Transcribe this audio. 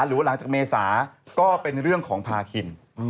หรือว่าหลังจากเมษาก็เป็นเรื่องของพาคิน